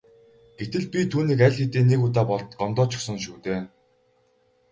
Гэтэл би түүнийг аль хэдийн нэг удаа гомдоочихсон шүү дээ.